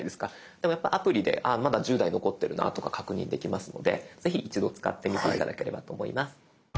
やっぱりアプリでまだ１０台残ってるなとか確認できますのでぜひ一度使ってみて頂ければと思います。